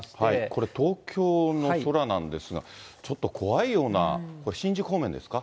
これ、東京の空なんですが、ちょっと怖いような、これ、新宿方面ですか？